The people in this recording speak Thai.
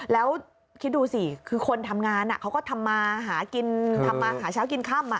แล้วคิดดูสิคือคนทำงานเขาก็ทำมาหากินทำมาหาเช้ากินค่ำ